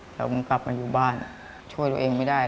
แล้วมึงกลับมาอยู่บ้านช่วยตัวเองไม่ได้